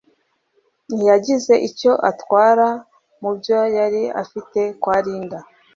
ntiyagize icyo atwara mubyo yari afite kwa Linda